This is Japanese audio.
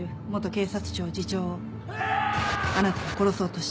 警察庁次長をあなたは殺そうとした。